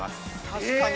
◆確かに。